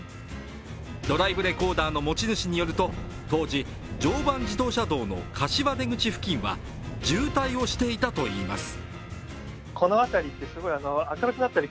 ドライブレコーダーの持ち主によると、当時、常磐自動車道の柏出口付近は、渋滞をしていたといいます。